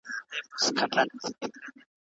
هیوادونه ولي د وګړو شخصي حریم ساتي؟